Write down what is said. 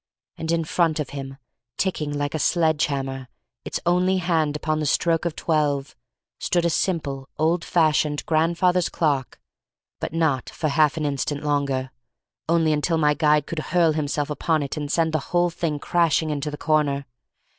And in front of him, ticking like a sledge hammer, its only hand upon the stroke of twelve, stood a simple, old fashioned, grandfather's clock—but not for half an instant longer—only until my guide could hurl himself upon it and send the whole thing crashing into the corner.